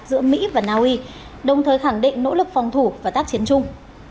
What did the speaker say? giữa mỹ và naui đồng thời khẳng định nỗ lực phòng thủ và tác chiến chung